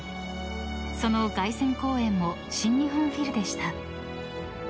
［その凱旋公演も新日本フィルでした］